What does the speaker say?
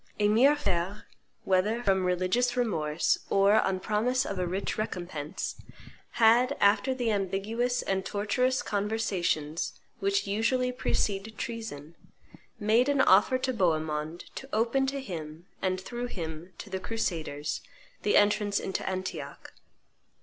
Emir Feir, whether from religious remorse or on promise of a rich recompense, had, after the ambiguous and tortuous conversations which usually precede treason, made an offer to Bohemond to open to him, and, through him, to the crusaders, the entrance into Antioch.